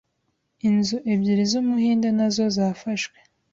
inzu ebyiri z’umuhinde nazo zafashwe